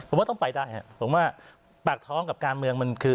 ผมว่าต้องไปได้ครับผมว่าปากท้องกับการเมืองมันคือ